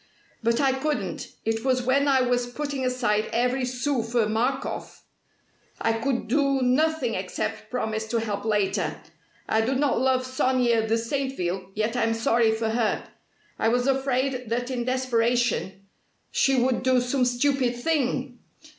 but I couldn't. It was when I was putting aside every sou for Markoff. I could do nothing except promise to help later. I do not love Sonia de Saintville, yet I am sorry for her. I was afraid that in desperation she would do some stupid thing!